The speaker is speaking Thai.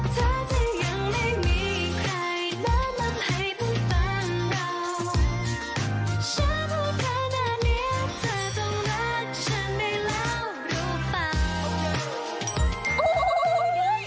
ฉันพูดข้างหน้าเนี่ยเธอต้องรักฉันไม่แล้วรู้ป่าว